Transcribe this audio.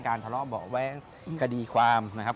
ทะเลาะเบาะแว้งคดีความนะครับ